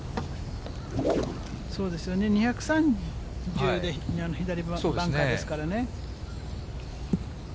そうですよね、２３０で左バンカーですからね。